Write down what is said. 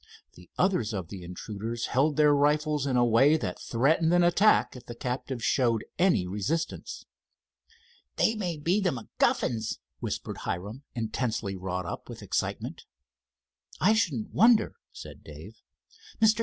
The others of the intruders held their rifles in a way that threatened an attack if the captives showed any resistance. "They may be the MacGuffins," whispered Hiram, intensely wrought up with excitement. "I shouldn't wonder," said Dave. "Mr.